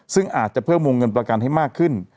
ซึ่งอาจจะเพิ่มวงเงินประกันให้มากขึ้น